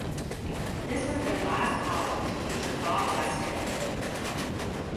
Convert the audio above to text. This was their last album to feature Bob Weston.